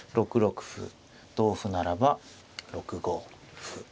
６六歩同歩ならば６五歩。